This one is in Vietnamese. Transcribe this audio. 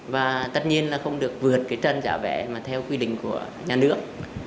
và tất nhiên là không được vượt cái trần giá vé mà theo quy định của nhà nước